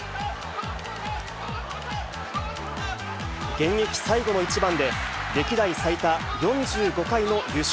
現役最後の一番で、歴代最多４５回の優勝。